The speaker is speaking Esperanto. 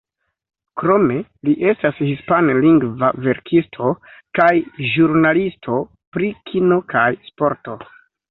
Krome, li estas hispanlingva verkisto, kaj ĵurnalisto pri kino kaj sporto.